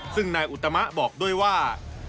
ซึ่งนายอุตมะบอกด้วยว่า